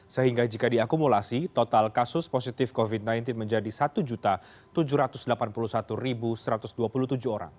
sehingga jika diakumulasi total kasus positif covid sembilan belas menjadi satu tujuh ratus delapan puluh satu satu ratus dua puluh tujuh orang